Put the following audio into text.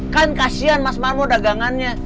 kan kasian mas marmo dagangannya